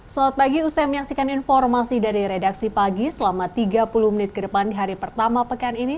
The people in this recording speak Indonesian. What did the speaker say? selamat pagi usai menyaksikan informasi dari redaksi pagi selama tiga puluh menit ke depan di hari pertama pekan ini